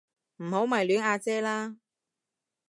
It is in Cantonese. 唔好迷戀阿姐啦